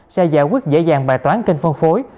sẽ giải quyết dễ dàng bài toán kênh phân phối